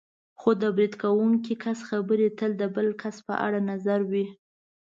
خو د برید کوونکي کس خبرې تل د بل کس په اړه نظر وي.